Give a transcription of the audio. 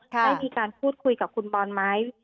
ได้มีการพูดคุยกับคุณบอลไหม